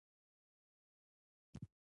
احمد چې یو ځل په غره وخېژي، بیا د بل چا نه مني.